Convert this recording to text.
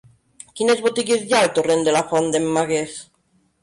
Quines botigues hi ha al torrent de la Font d'en Magués?